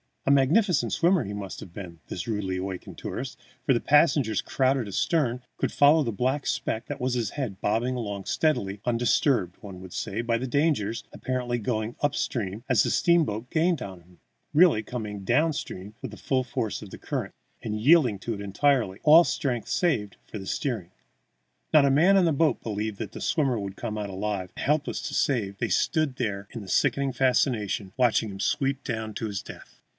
A magnificent swimmer he must have been, this rudely awakened tourist, for the passengers, crowded astern, could follow the black speck that was his head bobbing along steadily, undisturbed, one would say, by dangers, apparently going up stream as the steamboat gained on him really coming down stream with the full force of the current, and yielding to it entirely, all strength saved for steering. Not a man on the boat believed that the swimmer would come out alive, and, helpless to save, they stood there in sickening fascination, watching him sweep down to his death.